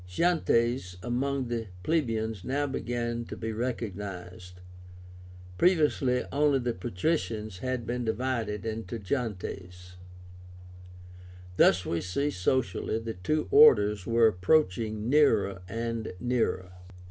Gentes among the plebeians now began to be recognized; previously only the patricians had been divided into gentes. Thus we see, socially, the two orders were approaching nearer and nearer.